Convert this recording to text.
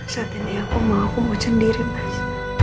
saat ini aku mau aku mau sendiri mas